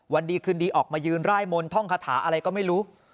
วันดีคืนดีออกมายืนร่ายมนต์ท่องคาถาอะไรก็ไม่รู้